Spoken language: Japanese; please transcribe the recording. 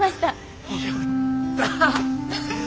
やった！